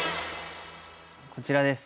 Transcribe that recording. こちらです。